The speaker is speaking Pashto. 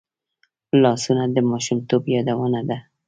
لاسونه د ماشومتوب یادونه ده